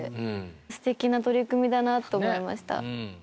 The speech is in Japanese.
素敵な取り組みだなと思いました。